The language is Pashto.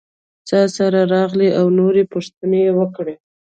څاسره راغلې او نور پوښتنې یې وکړې.